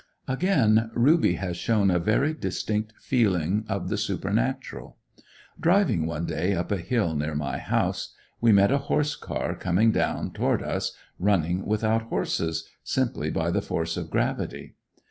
Again, Ruby has shown a very distinct feeling of the supernatural. Driving one day up a hill near my house, we met a horse car coming down toward us, running without horses, simply by the force of gravity.